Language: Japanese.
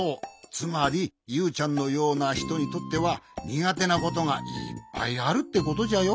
つまりユウちゃんのようなひとにとってはにがてなことがいっぱいあるってことじゃよ。